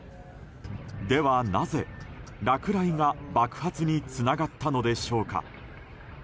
では、なぜ落雷が爆発につながったのでしょうか。